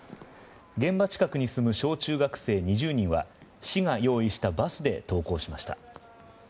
現場近くに住む小中学生２０人は市が用意したバスで登校しました。